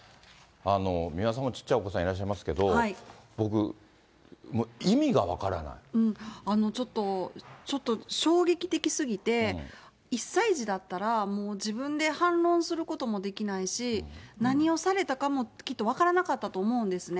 三輪さんも小さいお子さんいらっしゃいますけれども、僕、意味がちょっと衝撃的すぎて、１歳児だったら自分で反論することもできないし、何をされたかもきっと分からなかったと思うんですね。